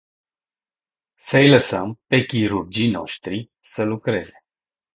Să-i lăsăm pe chirurgii noști să lucreze.